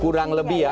kurang lebih ya